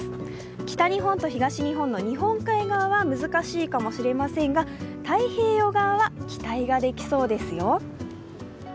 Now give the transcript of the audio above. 北日本と東日本の日本海側は難しいかもしれませんが、太平洋側は期待ができそうですよ。